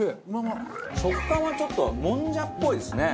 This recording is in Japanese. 食感はちょっともんじゃっぽいですね。